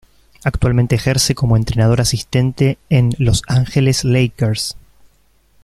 Actualmente ejerce como entrenador asistente de Los Angeles Lakers.